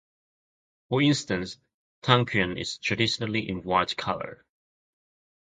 For instance, tangyuan is traditionally in white color.